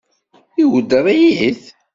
Iweddeṛ-it?